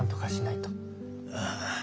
ああ。